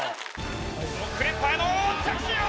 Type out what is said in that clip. ６連覇への着地！